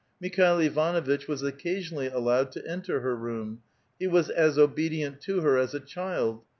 Mikhail Ivanuitch was occasionally allowed to enter her room. He was as obedient to her as a child.